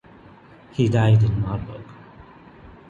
He died in Marburg.